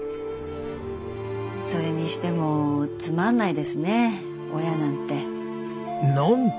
それにしてもつまんないですね親なんて。